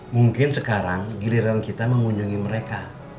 mungkin sekarang giliran kita mengunjungi mereka